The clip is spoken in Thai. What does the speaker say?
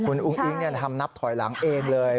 คุณอุ้งอิ๊งทำนับถอยหลังเองเลย